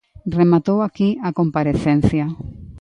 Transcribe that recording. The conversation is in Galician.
Rematou aquí a comparecencia.